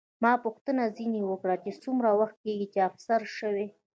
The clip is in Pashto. ما پوښتنه ځیني وکړه، ته څومره وخت کېږي چې افسر شوې یې؟